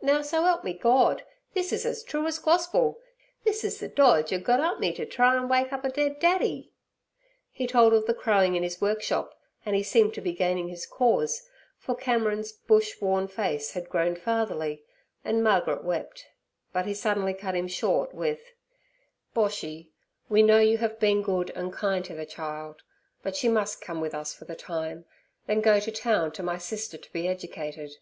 Now, so 'elp me Gord! this is az true as Gospel. This is the dodge 'er gut me up to t' try and wake up 'er dead daddy.' He told of the crowing in his workshop, and he seemed to be gaining his cause, for Cameron's Bush worn face had grown fatherly and Margaret wept; but he suddenly cut him short with: 'Boshy, we know you have been good and kind to the child, but she must come with us for the time, then go to town to my sister to be educated.